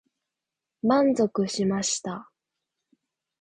満足しました。